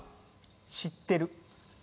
「知ってる」。